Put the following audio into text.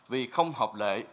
vì không hợp lệ